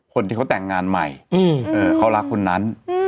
คนที่เขาแต่งงานใหม่เขารักคนนั้น